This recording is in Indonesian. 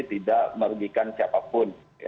tidak merugikan siapapun